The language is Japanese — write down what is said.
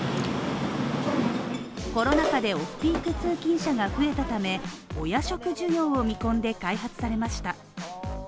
コロナ禍でオフピーク通勤者が増えたためお夜食需要を見込んで開発されました。